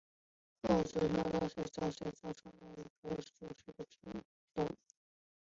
厚足荡镖水蚤为镖水蚤科荡镖水蚤属的动物。